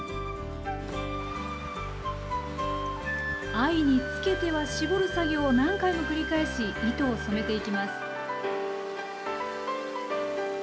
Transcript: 藍につけては絞る作業を何回も繰り返し糸を染めていきます。